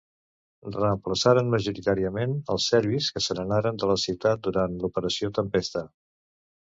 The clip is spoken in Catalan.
Reemplaçaren majoritàriament els serbis, que se n'anaren de la ciutat durant l'Operació Tempesta.